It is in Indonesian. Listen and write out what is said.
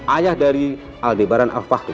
ayah dari aldebaran al fahdun